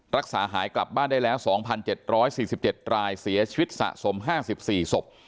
รักษาหายกลับบ้านได้แล้ว๒๗๔๗รายเสียชีวิตสะสม๕๔ศพ